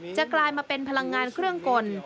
กลายมาเป็นพลังงานเครื่องกล